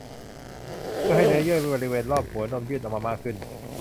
เพื่อให้เนื้อเยื่อบริเวณรอบหัวนมยื่นออกมามากขึ้น